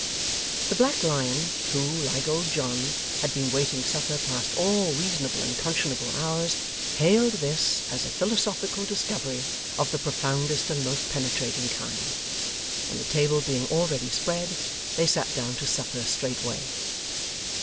The Black Lion, who, like old John, had been waiting supper past all reasonable and conscionable hours, hailed this as a philosophical discovery of the profoundest and most penetrating kind; and the table being already spread, they sat down to supper straightway.